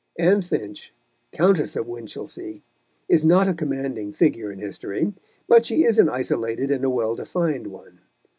Anne Finch, Countess of Winchilsea, is not a commanding figure in history, but she is an isolated and a well defined one.